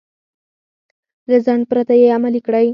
له ځنډ پرته يې عملي کړئ.